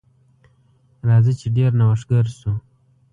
راځه چې ډیر نوښتګر شو.